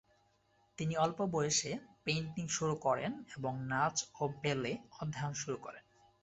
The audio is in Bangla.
তিনি অল্প বয়সে পেইন্টিং শুরু করেন এবং নাচ ও ব্যালে অধ্যায়ন শুরু করেন।